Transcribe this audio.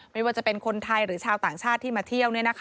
ไม่ว่าจะเป็นคนไทยหรือชาวต่างชาติที่มาเที่ยว